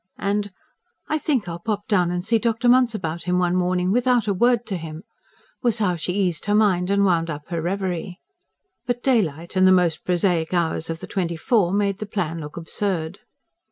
And: "I think I'll pop down and see Dr. Munce about him one morning, without a word to him," was how she eased her mind and wound up her reverie. But daylight, and the most prosaic hours of the twenty four, made the plan look absurd.